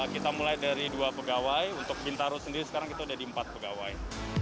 kita mulai dari dua pegawai untuk bintaro sendiri sekarang kita sudah di empat pegawai